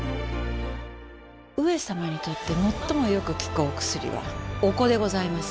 上様にとってもっともよく効くお薬はお子でございます。